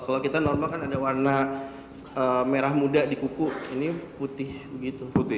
kalau kita normal kan ada warna merah muda di kuku ini putih begitu